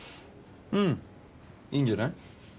うんいいんじゃない？